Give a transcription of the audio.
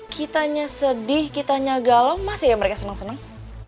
kitanya sedih kitanya galau masih ya mereka seneng seneng